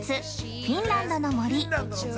「フィンランドの森」。